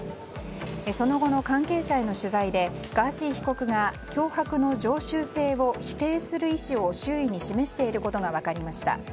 その後の関係者への取材でガーシー被告が脅迫の常習性を否定する意思を周囲に示していることが分かりました。